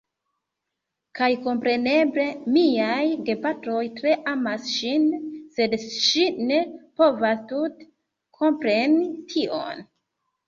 Kaj kompreneble, miaj gepatroj tre amas ŝin, sed ŝi ne povas tute kompreni tion